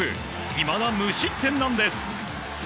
いまだ無失点なんです。